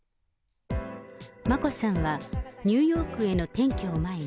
眞子さんはニューヨークへの転居を前に、